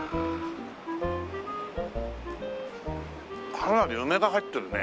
かなり梅が入ってるね。